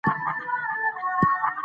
هغه غواړي چې د انرژۍ احساس وکړي.